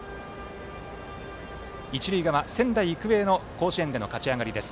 一塁側、仙台育英の甲子園での勝ち上がりです。